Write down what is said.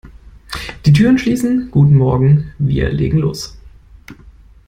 Die Türen schließen - Guten morgen, wir legen los!